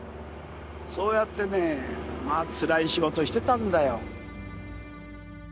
そうやってねまあつらい仕事をしてたんだよ。